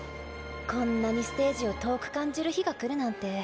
こんなにステージを遠く感じる日が来るなんて。